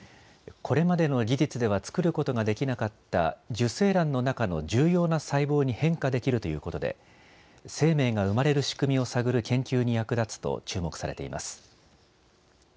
これまでの技術では作ることができなかった受精卵の中の重要な細胞に変化できるということで生命が生まれる仕組みを探る研究に役立つと注目されています。